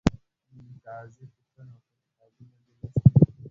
قاضي پوښتنه وکړه، کتابونه یې دې لوستي؟